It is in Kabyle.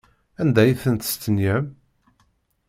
Anda ay ten-testenyam?